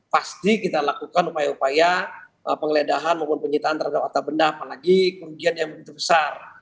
pasti kita lakukan upaya upaya penggeledahan maupun penyitaan terhadap otak benda apalagi kerugian yang begitu besar